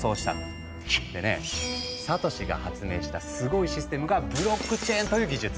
でねサトシが発明したすごいシステムが「ブロックチェーン」という技術。